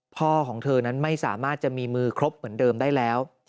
พ่อของเธอนั้นไม่สามารถจะมีมือครบเหมือนเดิมได้แล้ว